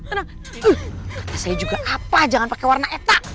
kata saya juga apa jangan pakai warna etak